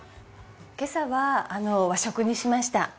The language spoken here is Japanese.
今朝は和食にしました。